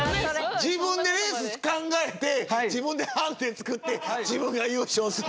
自分でレース考えて自分でハンディつくって自分が優勝する。